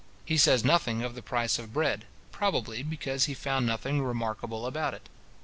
He says nothing of the price of bread, probably because he found nothing remarkable about it.